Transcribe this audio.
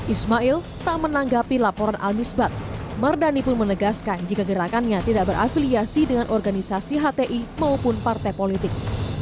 ismail tak menanggapi laporan al misbat mardani pun menegaskan jika gerakannya tidak berafiliasi dengan organisasi hti maupun partai politik